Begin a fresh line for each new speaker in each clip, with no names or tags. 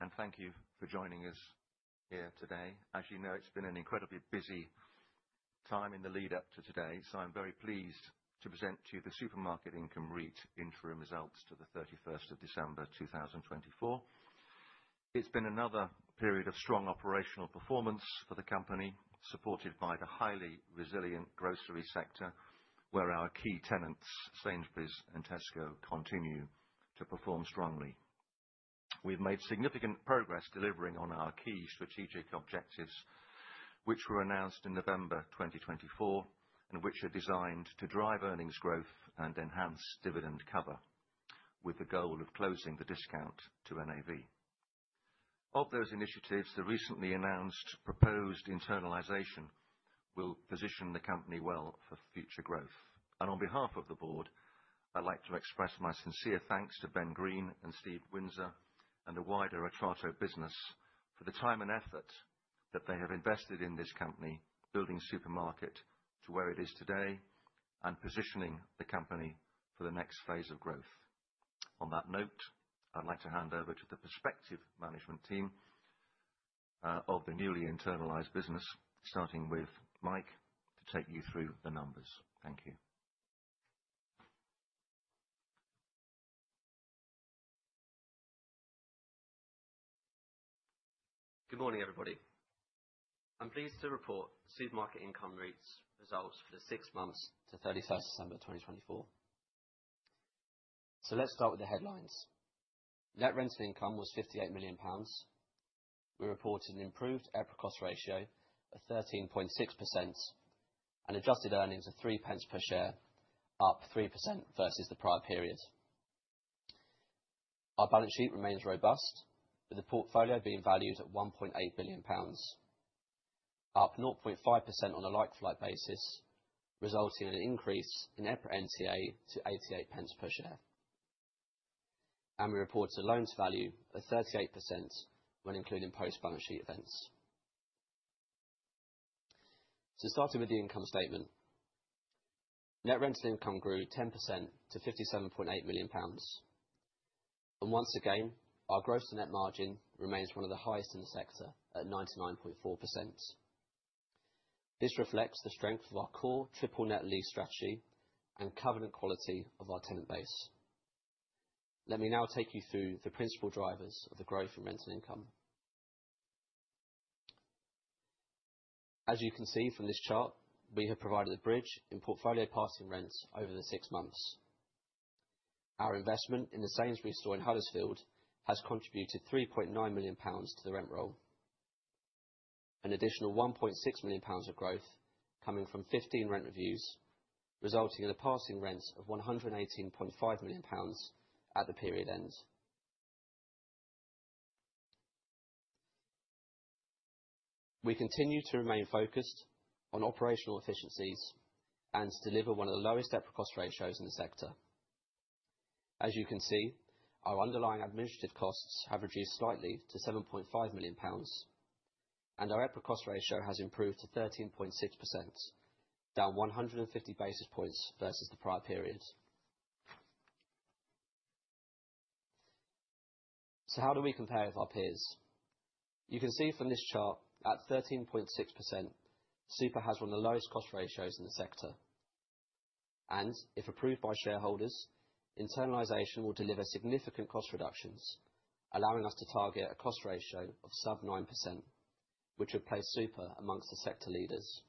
Good morning, all, and thank you for joining us here today. As you know, it's been an incredibly busy time in the lead-up to today, so I'm very pleased to present to you the Supermarket Income REIT interim results to the 31st of December, 2024. It's been another period of strong operational performance for the company, supported by the highly resilient grocery sector, where our key tenants, Sainsbury's and Tesco, continue to perform strongly. We've made significant progress delivering on our key strategic objectives, which were announced in November 2024 and which are designed to drive earnings growth and enhance dividend cover, with the goal of closing the discount to NAV. Of those initiatives, the recently announced proposed internalisation will position the company well for future growth. On behalf of the board, I'd like to express my sincere thanks to Ben Green and Steve Windsor and the wider Atrato business for the time and effort that they have invested in this company, building Supermarket to where it is today and positioning the company for the next phase of growth. On that note, I'd like to hand over to the prospective management team of the newly internalized business, starting with Mike, to take you through the numbers. Thank you.
Good morning, everybody. I'm pleased to report Supermarket Income REIT's results for the six months to 31st December 2024. Let's start with the headlines. Net rental income was 58 million pounds. We reported an improved EPRA cost ratio of 13.6% and adjusted earnings of 3 pence per share, up 3% versus the prior period. Our balance sheet remains robust, with the portfolio being valued at 1.8 billion pounds, up 0.5% on a like-for-like basis, resulting in an increase in EPRA NTA to 88 pence per share. We reported a loan-to-value of 38% when including post-balance sheet events. Starting with the income statement, net rental income grew 10% to 57.8 million pounds. Once again, our gross-to-net margin remains one of the highest in the sector at 99.4%. This reflects the strength of our core triple-net lease strategy and covenant quality of our tenant base. Let me now take you through the principal drivers of the growth in rental income. As you can see from this chart, we have provided a bridge in portfolio passing rents over the six months. Our investment in the Sainsbury's store in Huddersfield has contributed 3.9 million pounds to the rent roll, an additional 1.6 million pounds of growth coming from 15 rent reviews, resulting in a passing rent of 118.5 million pounds at the period end. We continue to remain focused on operational efficiencies and to deliver one of the lowest EPRA cost ratios in the sector. As you can see, our underlying administrative costs have reduced slightly to 7.5 million pounds, and our EPRA cost ratio has improved to 13.6%, down 150 basis points versus the prior period. How do we compare with our peers? You can see from this chart, at 13.6%, Super has one of the lowest cost ratios in the sector. If approved by shareholders, internalisation will deliver significant cost reductions, allowing us to target a cost ratio of sub 9%, which would place Super amongst the sector leaders.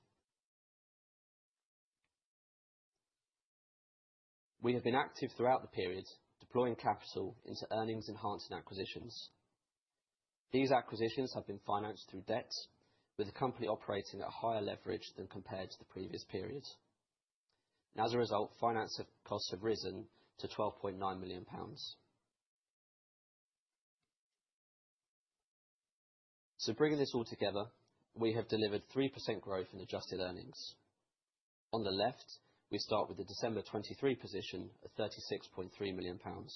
We have been active throughout the period, deploying capital into earnings-enhancing acquisitions. These acquisitions have been financed through debt, with the company operating at a higher leverage than compared to the previous period. As a result, finance costs have risen to 12.9 million pounds. Bringing this all together, we have delivered 3% growth in adjusted earnings. On the left, we start with the December 2023 position of 36.3 million pounds.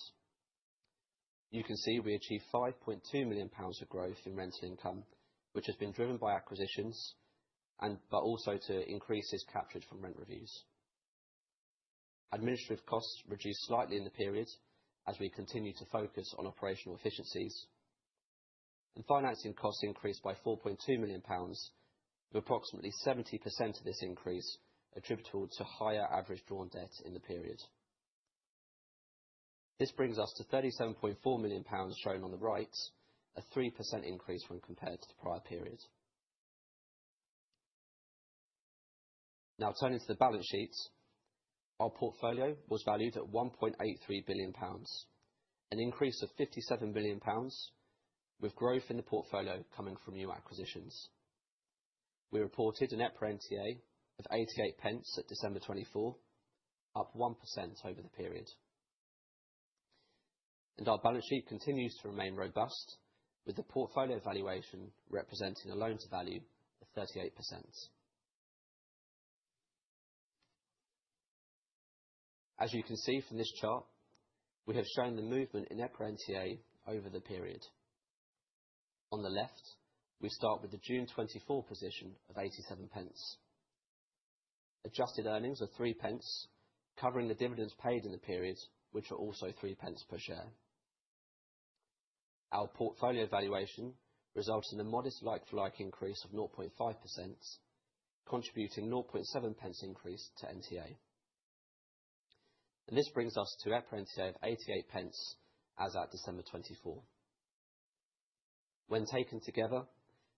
You can see we achieved 5.2 million pounds of growth in rental income, which has been driven by acquisitions but also to increase this captured from rent reviews. Administrative costs reduced slightly in the period as we continue to focus on operational efficiencies. Financing costs increased by 4.2 million pounds, with approximately 70% of this increase attributable to higher average drawn debt in the period. This brings us to 37.4 million pounds shown on the right, a 3% increase when compared to the prior period. Now turning to the balance sheet, our portfolio was valued at 1.83 billion pounds, an increase of 57 million pounds, with growth in the portfolio coming from new acquisitions. We reported an EPRA NTA of 88 pence at December 2024, up 1% over the period. Our balance sheet continues to remain robust, with the portfolio valuation representing a loan-to-value of 38%. As you can see from this chart, we have shown the movement in EPRA NTA over the period. On the left, we start with the June 2024 position of 87 pence. Adjusted earnings are 3 pence, covering the dividends paid in the period, which are also 3 pence per share. Our portfolio valuation results in a modest like-for-like increase of 0.5%, contributing a 0.7 pence increase to EPRA NTA. This brings us to EPRA NTA of 88 pence as at December 2024. When taken together,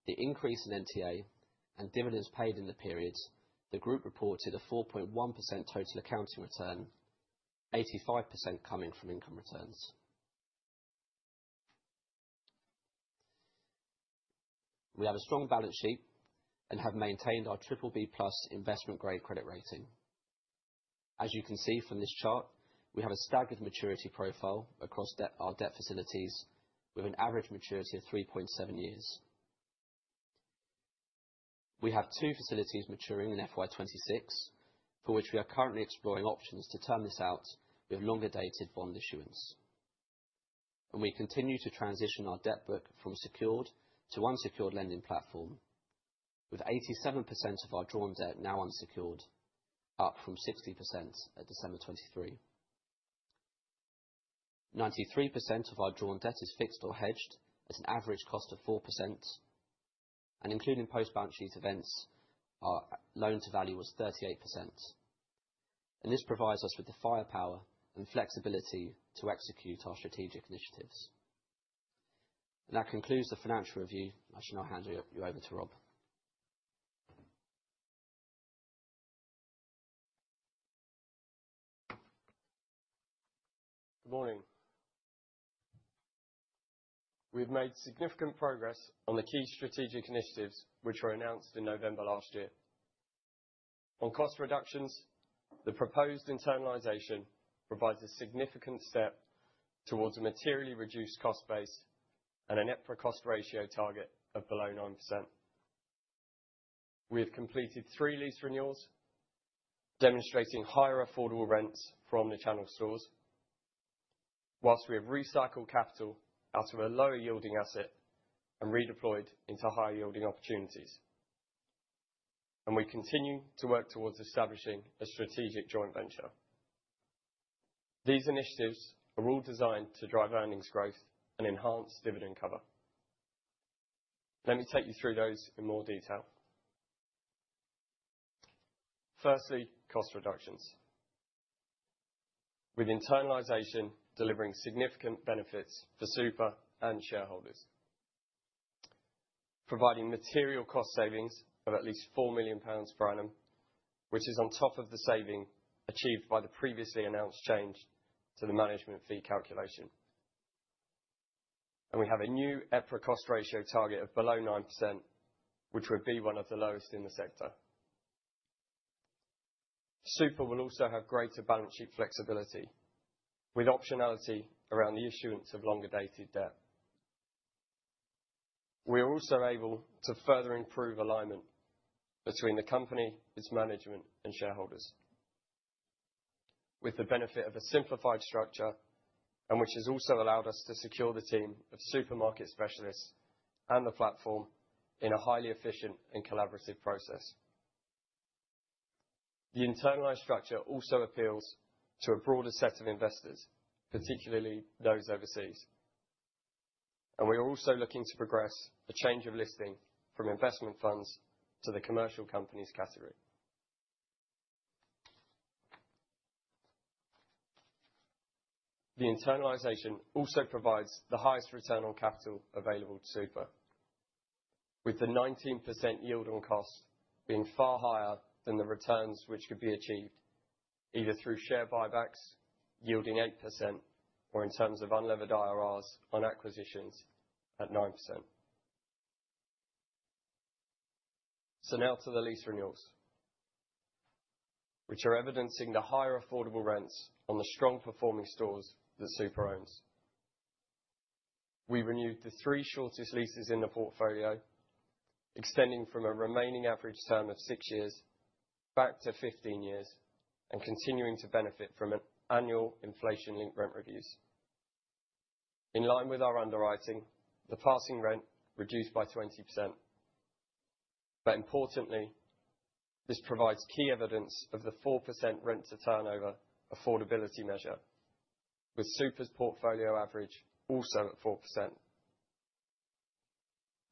the increase in NTA and dividends paid in the period, the group reported a 4.1% total accounting return, 85% coming from income returns. We have a strong balance sheet and have maintained our BBB+ investment-grade credit rating. As you can see from this chart, we have a staggered maturity profile across our debt facilities, with an average maturity of 3.7 years. We have two facilities maturing in FY 2026, for which we are currently exploring options to term this out with longer-dated bond issuance. We continue to transition our debt book from secured to unsecured lending platform, with 87% of our drawn debt now unsecured, up from 60% at December 2023. 93% of our drawn debt is fixed or hedged at an average cost of 4%. Including post-balance sheet events, our loan-to-value was 38%. This provides us with the firepower and flexibility to execute our strategic initiatives. That concludes the financial review. I shall now hand you over to Rob.
Good morning. We've made significant progress on the key strategic initiatives which were announced in November last year. On cost reductions, the proposed internalisation provides a significant step towards a materially reduced cost base and an EPRA cost ratio target of below 9%. We have completed three lease renewals, demonstrating higher affordable rents for omnichannel stores, whilst we have recycled capital out of a lower-yielding asset and redeployed into higher-yielding opportunities. We continue to work towards establishing a strategic joint venture. These initiatives are all designed to drive earnings growth and enhance dividend cover. Let me take you through those in more detail. Firstly, cost reductions, with internalisation delivering significant benefits for Super and shareholders, providing material cost savings of at least 4 million pounds per annum, which is on top of the saving achieved by the previously announced change to the management fee calculation. We have a new EPRA cost ratio target of below 9%, which would be one of the lowest in the sector. Super will also have greater balance sheet flexibility, with optionality around the issuance of longer-dated debt. We are also able to further improve alignment between the company, its management, and shareholders, with the benefit of a simplified structure, which has also allowed us to secure the team of supermarket specialists and the platform in a highly efficient and collaborative process. The internalized structure also appeals to a broader set of investors, particularly those overseas. We are also looking to progress a change of listing from investment funds to the commercial companies category. The internalisation also provides the highest return on capital available to Super, with the 19% yield on cost being far higher than the returns which could be achieved either through share buybacks yielding 8% or in terms of unlevered IRRs on acquisitions at 9%. Now to the lease renewals, which are evidencing the higher affordable rents on the strong-performing stores that Super owns. We renewed the three shortest leases in the portfolio, extending from a remaining average term of six years back to 15 years and continuing to benefit from annual inflation-linked rent reviews. In line with our underwriting, the passing rent reduced by 20%. Importantly, this provides key evidence of the 4% rent-to-turnover affordability measure, with Super's portfolio average also at 4%.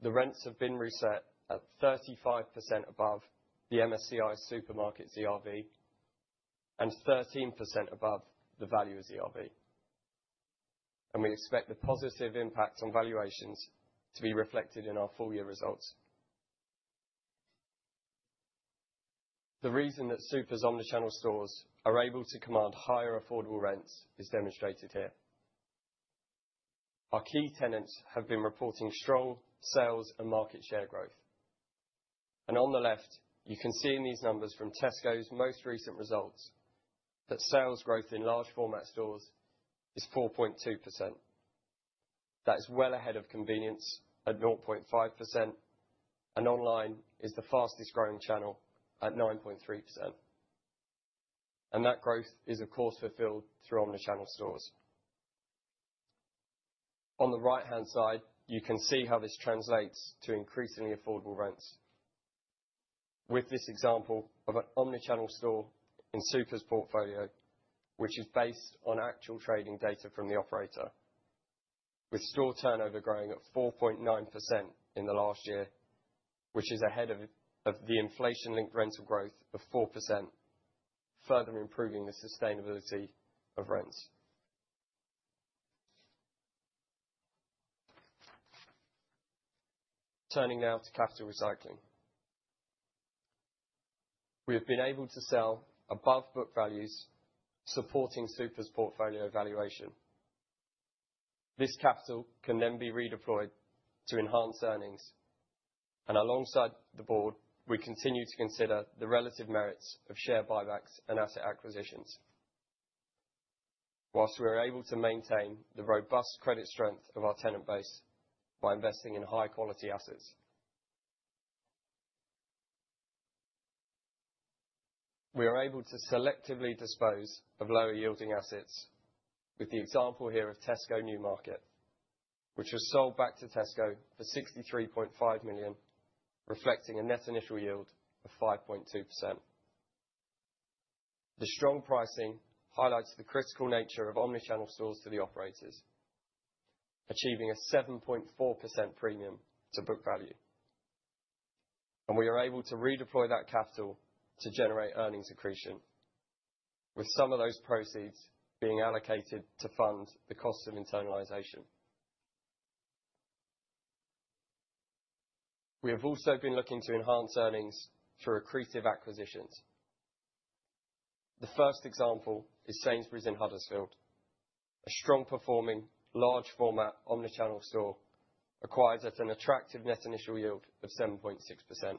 The rents have been reset at 35% above the MSCI Supermarkets ERV and 13% above the value of the ERV. We expect the positive impact on valuations to be reflected in our full-year results. The reason that Super's omnichannel stores are able to command higher affordable rents is demonstrated here. Our key tenants have been reporting strong sales and market share growth. On the left, you can see in these numbers from Tesco's most recent results that sales growth in large-format stores is 4.2%. That is well ahead of convenience at 0.5%, and online is the fastest-growing channel at 9.3%. That growth is, of course, fulfilled through omnichannel stores. On the right-hand side, you can see how this translates to increasingly affordable rents, with this example of an omnichannel store in Super's portfolio, which is based on actual trading data from the operator, with store turnover growing at 4.9% in the last year, which is ahead of the inflation-linked rental growth of 4%, further improving the sustainability of rents. Turning now to capital recycling, we have been able to sell above book values, supporting Super's portfolio valuation. This capital can then be redeployed to enhance earnings. Alongside the board, we continue to consider the relative merits of share buybacks and asset acquisitions, whilst we are able to maintain the robust credit strength of our tenant base by investing in high-quality assets. We are able to selectively dispose of lower-yielding assets, with the example here of Tesco Newmarket, which was sold back to Tesco for 63.5 million, reflecting a net initial yield of 5.2%. The strong pricing highlights the critical nature of omnichannel stores to the operators, achieving a 7.4% premium to book value. We are able to redeploy that capital to generate earnings accretion, with some of those proceeds being allocated to fund the cost of internalisation. We have also been looking to enhance earnings through accretive acquisitions. The first example is Sainsbury's in Huddersfield. A strong-performing, large-format omnichannel store acquires at an attractive net initial yield of 7.6%.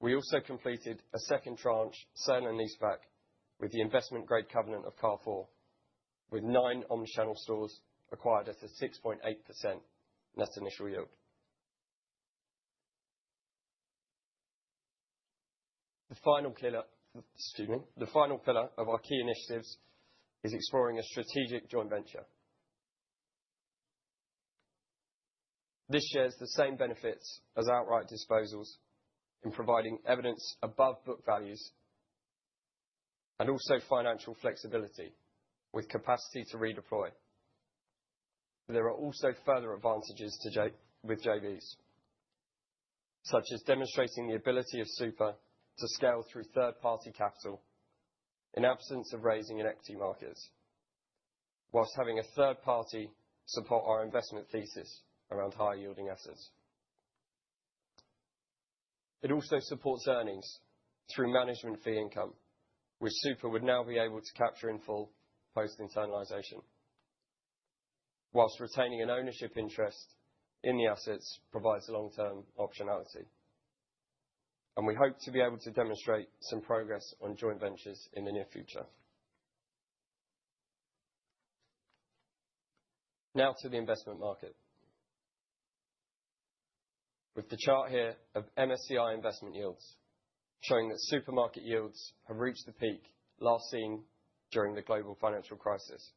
We also completed a second tranche sale and leaseback with the investment-grade covenant of Carrefour, with nine omnichannel stores acquired at a 6.8% net initial yield. The final pillar of our key initiatives is exploring a strategic joint venture. This shares the same benefits as outright disposals in providing evidence above book values and also financial flexibility with capacity to redeploy. There are also further advantages with JVs, such as demonstrating the ability of Super to scale through third-party capital in absence of raising in equity markets, whilst having a third-party support our investment thesis around higher-yielding assets. It also supports earnings through management fee income, which Super would now be able to capture in full post-internalisation, whilst retaining an ownership interest in the assets provides long-term optionality. We hope to be able to demonstrate some progress on joint ventures in the near future. Now to the investment market, with the chart here of MSCI investment yields showing that supermarket yields have reached the peak last seen during the global financial crisis.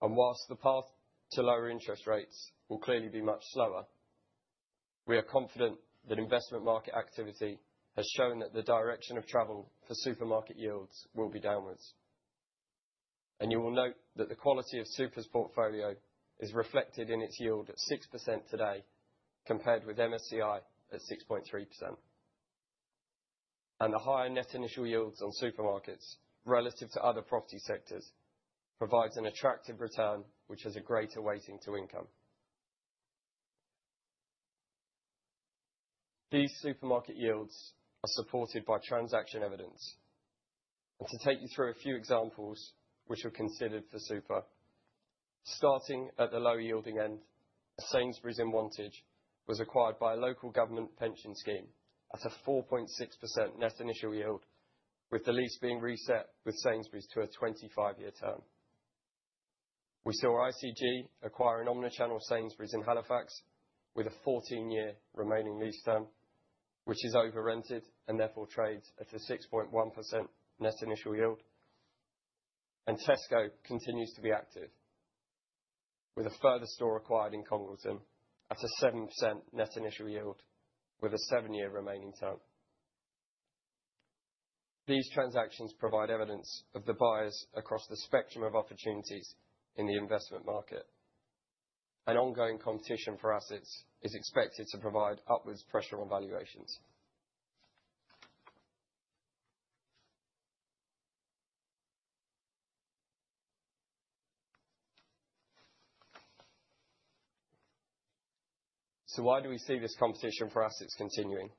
Whilst the path to lower interest rates will clearly be much slower, we are confident that investment market activity has shown that the direction of travel for supermarket yields will be downwards. You will note that the quality of Super's portfolio is reflected in its yield at 6% today, compared with MSCI at 6.3%. The higher net initial yields on supermarkets relative to other property sectors provides an attractive return, which has a greater weighting to income. These supermarket yields are supported by transaction evidence. To take you through a few examples which are considered for Super, starting at the lower-yielding end, Sainsbury's in Wantage was acquired by a local government pension scheme at a 4.6% net initial yield, with the lease being reset with Sainsbury's to a 25-year term. We saw ICG acquire an omnichannel Sainsbury's in Halifax with a 14-year remaining lease term, which is over-rented and therefore trades at a 6.1% net initial yield. Tesco continues to be active, with a further store acquired in Congleton at a 7% net initial yield, with a seven-year remaining term. These transactions provide evidence of the buyers across the spectrum of opportunities in the investment market. Ongoing competition for assets is expected to provide upwards pressure on valuations. Why do we see this competition for assets continuing?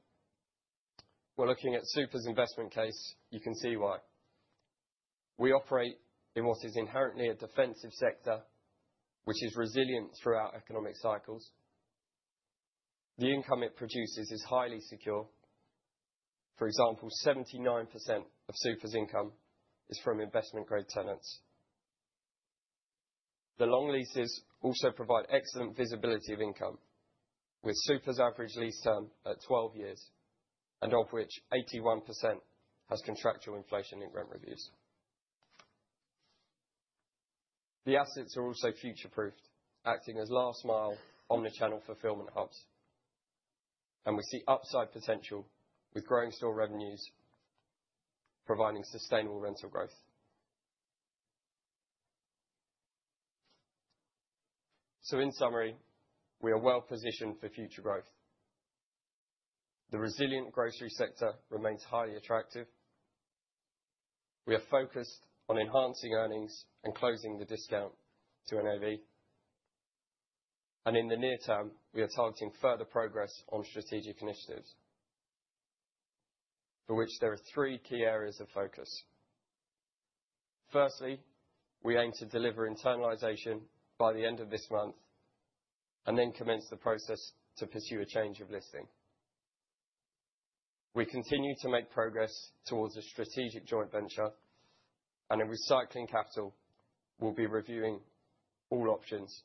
Looking at Super's investment case, you can see why. We operate in what is inherently a defensive sector, which is resilient throughout economic cycles. The income it produces is highly secure. For example, 79% of Super's income is from investment-grade tenants. The long leases also provide excellent visibility of income, with Super's average lease term at 12 years, of which 81% has contractual inflation-linked rent reviews. The assets are also future-proofed, acting as last-mile omnichannel fulfillment hubs. We see upside potential with growing store revenues providing sustainable rental growth. In summary, we are well-positioned for future growth. The resilient grocery sector remains highly attractive. We are focused on enhancing earnings and closing the discount to NAV. In the near term, we are targeting further progress on strategic initiatives, for which there are three key areas of focus. Firstly, we aim to deliver internalisation by the end of this month and then commence the process to pursue a change of listing. We continue to make progress towards a strategic joint venture, and in recycling capital, we'll be reviewing all options,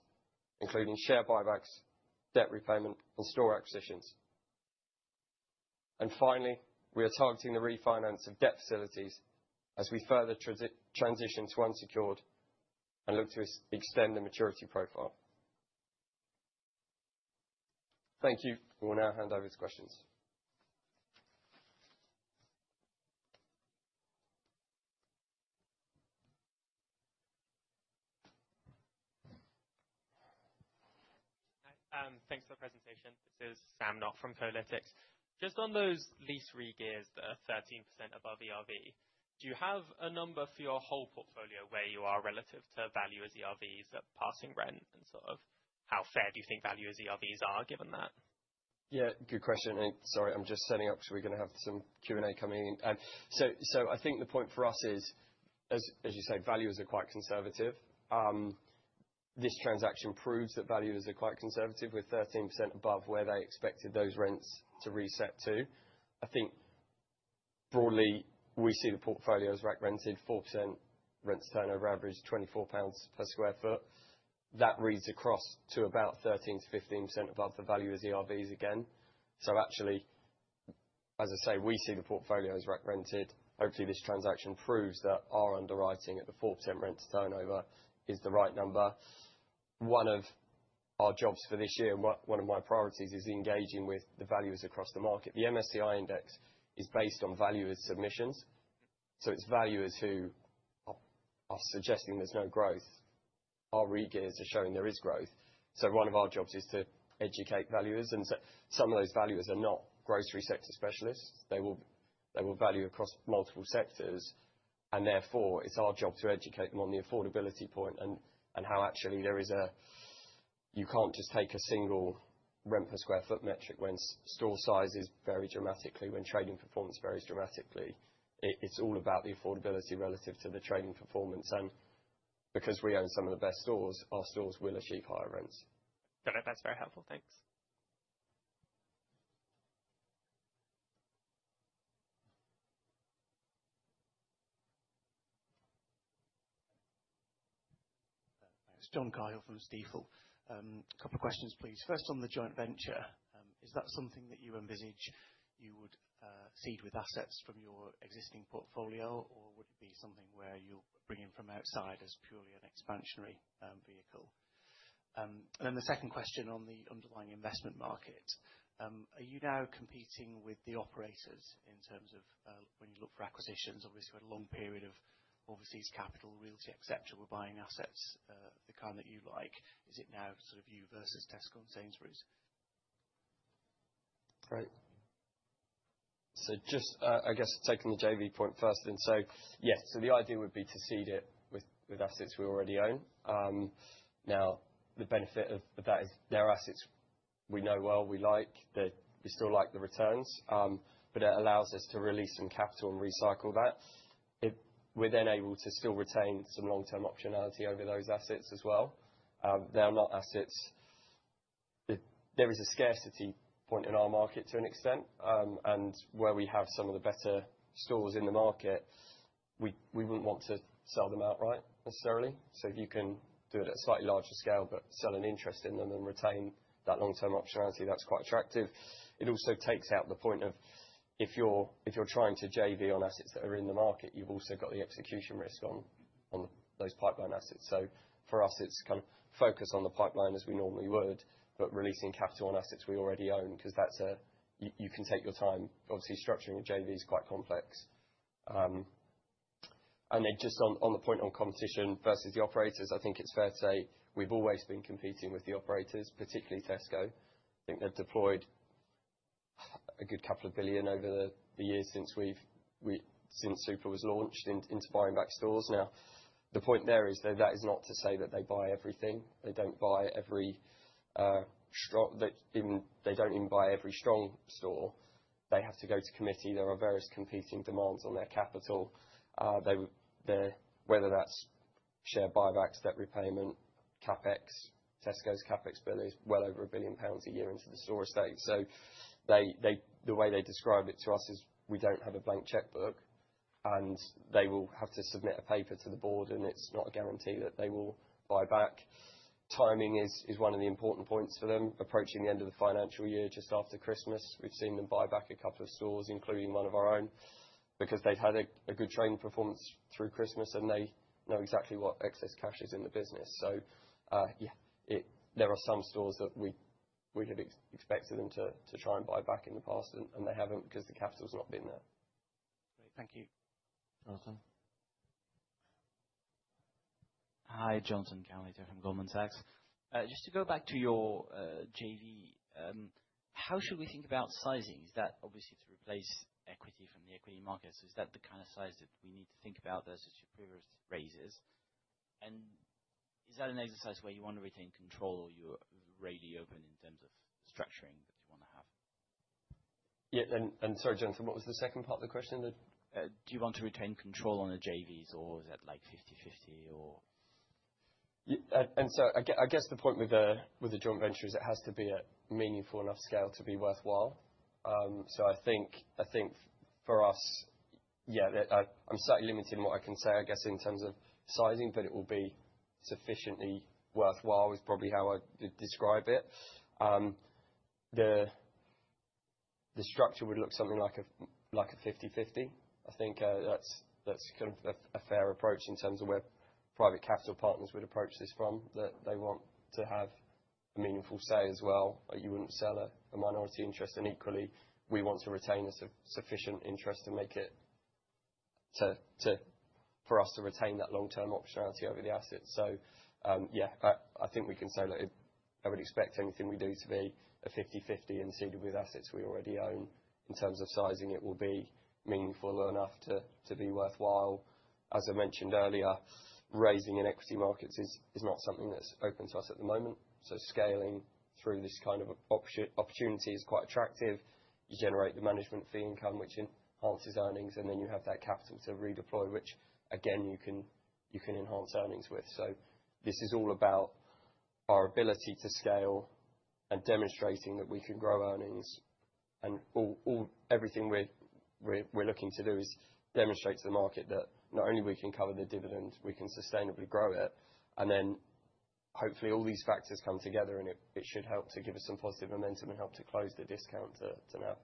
including share buybacks, debt repayment, and store acquisitions. Finally, we are targeting the refinance of debt facilities as we further transition to unsecured and look to extend the maturity profile. Thank you. We'll now hand over to questions.
Thanks for the presentation. This is Sam Knott from Kolytics. Just on those lease regears that are 13% above ERV, do you have a number for your whole portfolio where you are relative to valuers' ERVs at passing rent and sort of how fair do you think valuers' ERVs are given that?
Good question. Sorry, I'm just setting up because we're going to have some Q&A coming in. I think the point for us is, as you say, values are quite conservative. This transaction proves that values are quite conservative with 13% above where they expected those rents to reset to. I think broadly, we see the portfolio is right rented, 4% rent-to-turnover average, 24 pounds per sq ft. That reads across to about 13%-15% above the valuers' ERVs again. Actually, as I say, we see the portfolio is right rented. Hopefully, this transaction proves that our underwriting at the 4% rent-to-turnover is the right number. One of our jobs for this year, one of my priorities, is engaging with the valuers across the market. The MSCI Index is based on valuer submissions. It is valuers who are suggesting there is no growth. Our regears are showing there is growth. One of our jobs is to educate valuers. Some of those valuers are not grocery sector specialists. They will value across multiple sectors. Therefore, it's our job to educate them on the affordability point and how actually you can't just take a single rent per sq ft metric when store sizes vary dramatically, when trading performance varies dramatically. It's all about the affordability relative to the trading performance. Because we own some of the best stores, our stores will achieve higher rents.
Got it. That's very helpful. Thanks.
Thanks.
John Cahill from Stifel. A couple of questions, please. First, on the joint venture, is that something that you envisage you would seed with assets from your existing portfolio, or would it be something where you'll bring in from outside as purely an expansionary vehicle? The second question on the underlying investment market, are you now competing with the operators in terms of when you look for acquisitions? Obviously, we had a long period of overseas capital, realty, etc. We're buying assets, the kind that you like. Is it now sort of you versus Tesco and Sainsbury's?
Right. Just, I guess, taking the JV point first, then. Yes, the idea would be to seed it with assets we already own. The benefit of that is they're assets we know well, we like. We still like the returns, but it allows us to release some capital and recycle that. We're then able to still retain some long-term optionality over those assets as well. They are not assets. There is a scarcity point in our market to an extent. Where we have some of the better stores in the market, we wouldn't want to sell them outright necessarily. If you can do it at a slightly larger scale, but sell an interest in them and retain that long-term optionality, that's quite attractive. It also takes out the point of if you're trying to JV on assets that are in the market, you've also got the execution risk on those pipeline assets. For us, it's kind of focus on the pipeline as we normally would, but releasing capital on assets we already own because you can take your time. Obviously, structuring a JV is quite complex. Just on the point on competition versus the operators, I think it's fair to say we've always been competing with the operators, particularly Tesco. I think they've deployed a good couple of billion over the years since Super was launched into buying back stores. The point there is that is not to say that they buy everything. They don't buy every strong, they don't even buy every strong store. They have to go to committee. There are various competing demands on their capital. Whether that's share buybacks, debt repayment, CapEx, Tesco's CapEx bill is well over 1 billion pounds a year into the store estate. The way they describe it to us is we don't have a blank checkbook. They will have to submit a paper to the board, and it's not a guarantee that they will buy back. Timing is one of the important points for them. Approaching the end of the financial year just after Christmas, we've seen them buy back a couple of stores, including one of our own, because they've had a good trading performance through Christmas, and they know exactly what excess cash is in the business. Yeah, there are some stores that we have expected them to try and buy back in the past, and they haven't because the capital has not been there.
Great. Thank you.
Jonathan. Hi, Jonathan Cowling here from Goldman Sachs. Just to go back to your JV, how should we think about sizing? Is that obviously to replace equity from the equity markets? Is that the kind of size that we need to think about versus your previous raises? Is that an exercise where you want to retain control or you're really open in terms of structuring that you want to have?
Yeah. Sorry, Jonathan, what was the second part of the question?
Do you want to retain control on the JVs, or is that like 50/50, or?
I guess the point with a joint venture is it has to be at meaningful enough scale to be worthwhile. I think for us, yeah, I'm slightly limited in what I can say, I guess, in terms of sizing, but it will be sufficiently worthwhile is probably how I'd describe it. The structure would look something like a 50/50. I think that's kind of a fair approach in terms of where private capital partners would approach this from. They want to have a meaningful say as well. You wouldn't sell a minority interest. Equally, we want to retain a sufficient interest to make it for us to retain that long-term optionality over the assets. Yeah, I think we can say that I would expect anything we do to be a 50/50 and seeded with assets we already own. In terms of sizing, it will be meaningful enough to be worthwhile. As I mentioned earlier, raising in equity markets is not something that's open to us at the moment. Scaling through this kind of opportunity is quite attractive. You generate the management fee income, which enhances earnings, and then you have that capital to redeploy, which, again, you can enhance earnings with. This is all about our ability to scale and demonstrating that we can grow earnings. Everything we're looking to do is demonstrate to the market that not only we can cover the dividend, we can sustainably grow it. Hopefully all these factors come together, and it should help to give us some positive momentum and help to close the discount to now.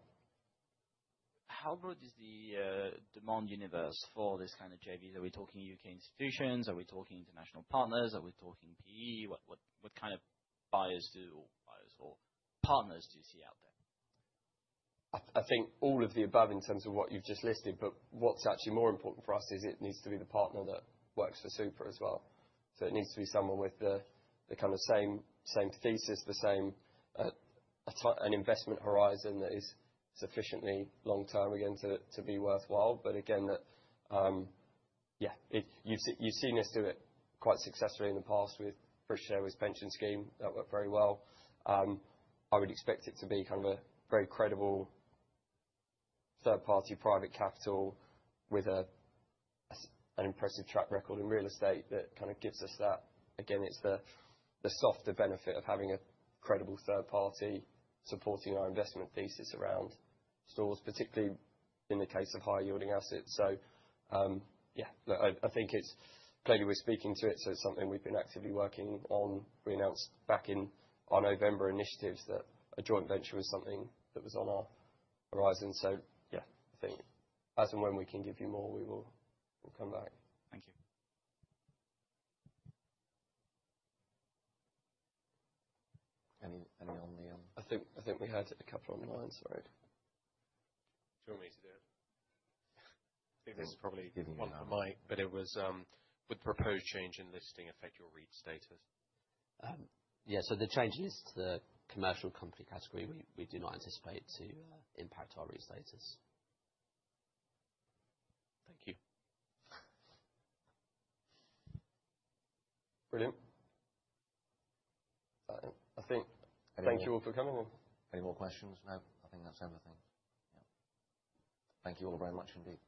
How broad is the demand universe for this kind of JV? Are we talking U.K. institutions? Are we talking international partners? Are we talking PE? What kind of buyers or partners do you see out there?
I think all of the above in terms of what you've just listed. What's actually more important for us is it needs to be the partner that works for Super as well. It needs to be someone with the same thesis, the same investment horizon that is sufficiently long-term to be worthwhile. You've seen us do it quite successfully in the past with British Airways Pension Scheme. That worked very well. I would expect it to be a very credible third-party private capital with an impressive track record in real estate that gives us that. Again, it's the softer benefit of having a credible third party supporting our investment thesis around stores, particularly in the case of high-yielding assets. Yeah, I think it's clearly we're speaking to it. It's something we've been actively working on. We announced back in our November initiatives that a joint venture was something that was on our horizon. Yeah, I think as and when we can give you more, we will come back.
Thank you.
Any online? I think we had a couple online. Sorry. Do you want me to do it? I think there's probably one for Mike, but it was, would the proposed change in listing affect your REIT status?
Yeah. The change in listing to the commercial company category, we do not anticipate to impact our REIT status. Thank you. Brilliant.
Thank you all for coming in. Any more questions? No.
I think that's everything. Yeah. Thank you all very much indeed.